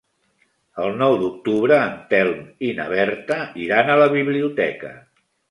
El nou d'octubre en Telm i na Berta iran a la biblioteca.